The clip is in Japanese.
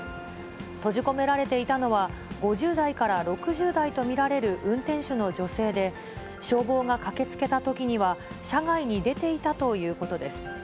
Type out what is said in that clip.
閉じ込められていたのは、５０代から６０代と見られる運転手の女性で、消防が駆けつけたときには、車外に出ていたということです。